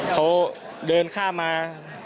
เขาเดินข้ามมา